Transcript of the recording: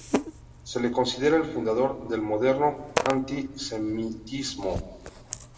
Se lo considera el fundador del moderno antisemitismo.